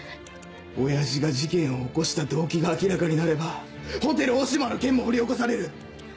親父が事件を起こした動機が明らかになればホテルオシマの件も掘り起こされる。